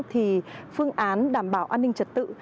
thì phương án đảm bảo an ninh trật tự